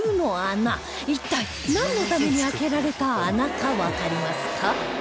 一体なんのために開けられた穴かわかりますか？